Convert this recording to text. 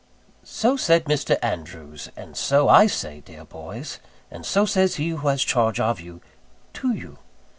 So said Mr. Andrews: and so I say, dear boys and so says he who has the charge of you to you.